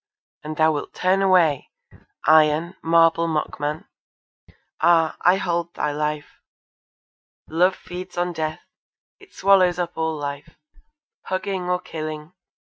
And thou wilt turn away, Iron, marble mockman! Ah! I hold thy life! Love feeds on death. It swallows up all life, Hugging, or killing.